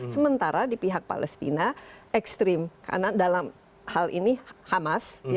sementara di pihak palestina ekstrim karena dalam hal ini hamas